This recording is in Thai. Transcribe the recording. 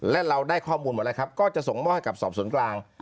และเราได้ข้อมูลหมดแล้วครับก็จะส่งมอบให้กับสอบสวนกลาง